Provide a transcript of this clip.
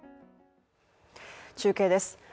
中継です